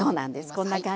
こんな感じね。